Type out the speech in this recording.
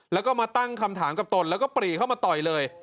แล้วก็มาตั้งคำถามกับตนแล้วก็ปรีเข้ามาต่อยเลย